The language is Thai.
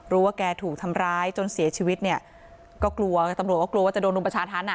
ว่าแกถูกทำร้ายจนเสียชีวิตเนี่ยก็กลัวตำรวจก็กลัวว่าจะโดนรุมประชาธรรมอ่ะ